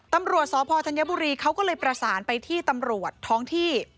ตำรวจสพธัญบุรีเขาก็เลยประสานไปที่ตำรวจท้องที่